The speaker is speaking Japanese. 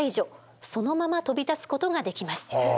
そのまま飛び立つことができます。